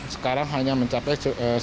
sekarang hanya mencapai sebelas